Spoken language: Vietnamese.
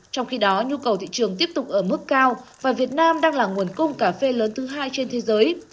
trong khi đó nhu cầu thị trường tiếp tục ở mức cao và việt nam đang là nguồn cung cà phê lớn thứ hai trên thế giới